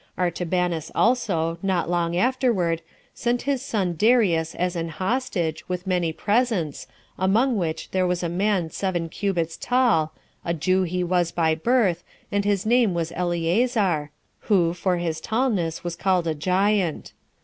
Artabanus also, not long afterward, sent his son Darius as an hostage, with many presents, among which there was a man seven cubits tall, a Jew he was by birth, and his name was Eleazar, who, for his tallness, was called a giant.